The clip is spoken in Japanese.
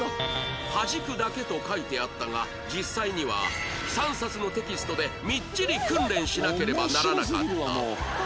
「はじくだけ」と書いてあったが実際には３冊のテキストでみっちり訓練しなければならなかった